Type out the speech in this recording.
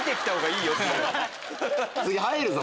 次入るぞ。